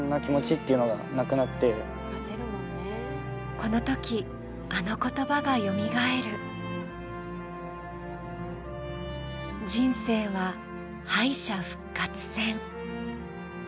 このとき、あの言葉がよみがえる人生は敗者復活戦。